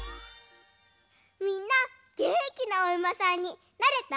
みんなげんきなおうまさんになれた？